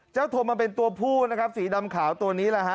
ทนมันเป็นตัวผู้นะครับสีดำขาวตัวนี้แหละฮะ